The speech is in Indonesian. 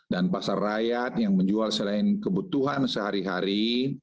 dan pasar rakyat yang menjual selain kebutuhan sehari hari